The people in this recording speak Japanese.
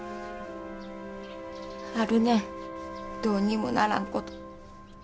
あるねんどうにもならんこと。